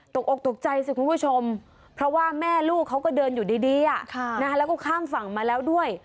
ตกออกตกใจสิคุณผู้ชมเพราะว่าแม่ลูกเขาก็เดินอยู่ดีแล้วก็ข้ามฝั่งมาแล้วด้วย